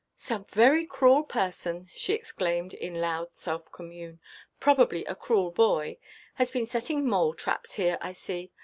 "Some very cruel person," she exclaimed, in loud self–commune, "probably a cruel boy, has been setting mole–traps here, I see.